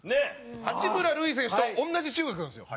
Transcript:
八村塁選手と同じ中学なんですよ。